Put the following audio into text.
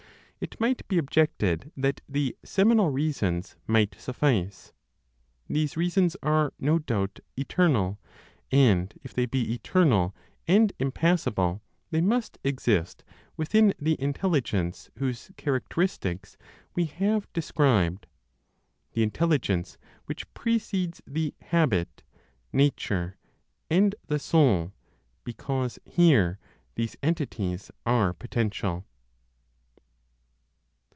It might be objected that the (seminal) reasons might suffice. These reasons are, no doubt, eternal; and, if they be eternal and impassible, they must exist within the Intelligence whose characteristics we have described, the Intelligence which precedes the "habit," nature, and the soul, because here these entities are potential.